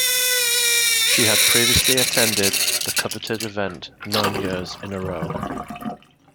She had previously attended the coveted event nine years in a row.